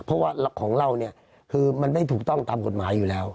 เพราะว่าของเราเนี่ยคือมันไม่ถูกต้องตามกฎหมายอยู่แล้ว